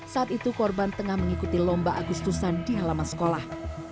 saat itu korban tengah mengikuti lomba agustusan di halaman sekolah